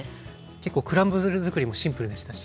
結構クランブルづくりもシンプルでしたし。